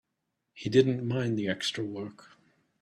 He didn't mind the extra work.